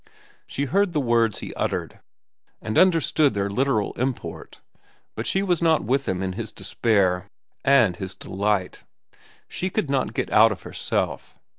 She heard the words he uttered and understood their literal import, but she was not with him in his despair and his delight. She could not get out of herself.